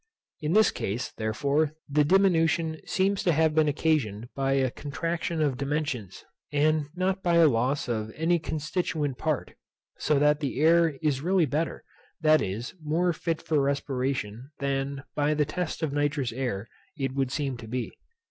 In this case, therefore, the diminution seems to have been occasioned by a contraction of dimensions, and not by a loss of any constituent part; so that the air is really better, that is, more fit for respiration, than, by the test of nitrous air, it would seem to be.